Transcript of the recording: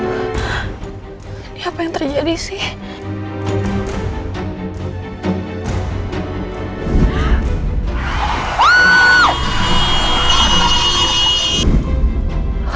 ini apa yang terjadi sih